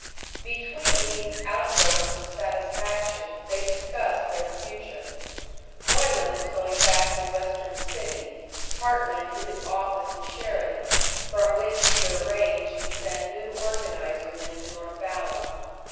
Between these outbursts of satisfaction, they discussed their future. Moylan was going back to Western City, Hartman to his office in Sheridan, from which he would arrange to send new organisers into North Valley.